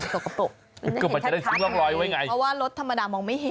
ก็เห็นชัดเพราะว่ารถธรรมดามองไม่เห็น